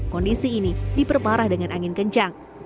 kondisi ini diperparah dengan angin kencang